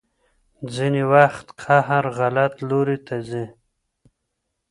ځينې وخت قهر غلط لوري ته ځي.